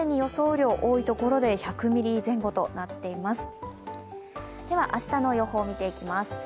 雨量多いところで１００ミリ前後となっています。